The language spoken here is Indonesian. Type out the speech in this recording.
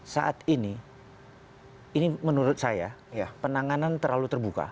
saat ini ini menurut saya penanganan terlalu terbuka